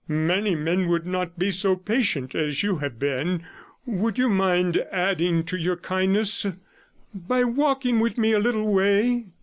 'Many men would not be so patient as you have been. Would you mind adding to your kindness by walking with me a little way?